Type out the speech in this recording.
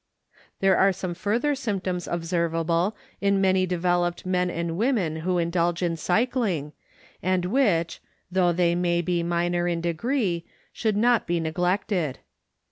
There are some further symptoms observable in many devel oped men and women who indulge in cycling and which, though they may be minor in degree, should not be neglected.